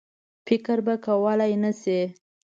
فکر به کولای نه سي.